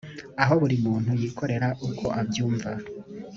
aho buri muntu yikorera uko abyumva.